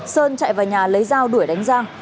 sơn chạy vào nhà lấy dao đuổi đánh giang